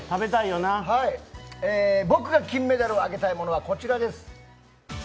僕が金メダルをあげたい物はこちらです。